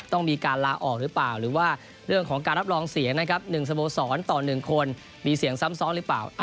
ต้องมีการลาออกหรือเปล่าหรือว่าเรื่องของการรับรองเสียงนะครับ๑สโมสรต่อ๑คนมีเสียงซ้ำซ้อนหรือเปล่า